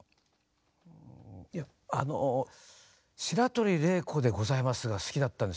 いやあの「白鳥麗子でございます！」が好きだったんです